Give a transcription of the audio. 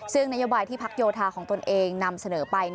ซึ่งนโยบายที่พักโยธาของตนเองนำเสนอไป